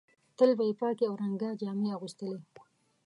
تل به یې پاکې او رنګه جامې اغوستلې.